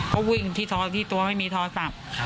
ก็วิ่งที่ทออะไรตัวไม่มีทอสัม